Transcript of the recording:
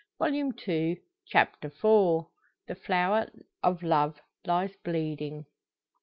Volume Two, Chapter IV. "THE FLOWER OF LOVE LIES BLEEDING."